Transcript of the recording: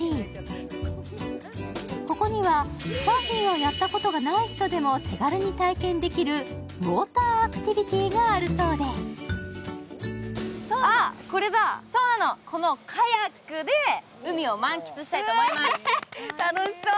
ここにはサーフィンをやったことがない人でも手軽に体験できるウォーターアクティビティーがあるそうでそうなの、このカヤックで海を満喫したいと思います。